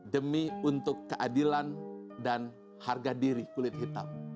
demi untuk keadilan dan harga diri kulit hitam